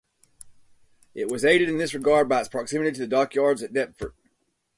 It was aided in this regard by its proximity to the dockyards at Deptford.